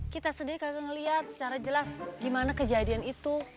kita sendiri kagak ngeliat secara jelas gimana kejadian itu